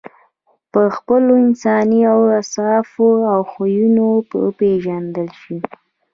په خپلو انساني اوصافو او خویونو وپېژندل شې.